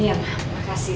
iya mak makasih